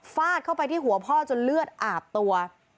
ฟาดเข้าไปที่หัวพ่อจนเลือดอาบตัว